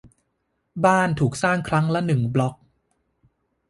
บ้านถูกสร้างครั้งละหนึ่งบล๊อก